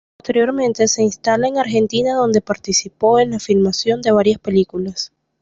Posteriormente se instala en Argentina, donde participó en la filmación de varias películas.